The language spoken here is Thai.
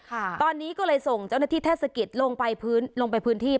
ค่ะตอนนี้ก็เลยส่งเจ้าหน้าที่เทศกิจลงไปพื้นลงไปพื้นที่